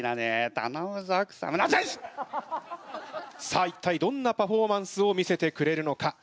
さあ一体どんなパフォーマンスを見せてくれるのか？